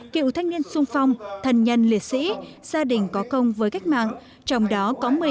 cựu thanh niên xung phong thần nhân liệt sĩ gia đình có công với cách mạng trong đó có một mươi ba